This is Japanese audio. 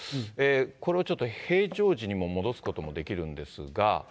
これをちょっと平常時に戻すこともできるんですが。